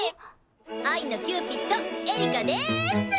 愛のキューピッドエリカでーす！